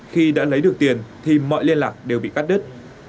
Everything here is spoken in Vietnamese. khi đã lấy được tiền thì mọi liên lạc đều bị cắt đứt